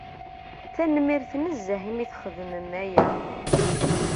Tanemmirt nezzeh imi txedmem aya.